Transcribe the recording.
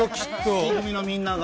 月組のみんなが。